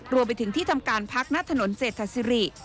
รวมไปถึงที่ทำการพักณถนนเศรษฐศิริ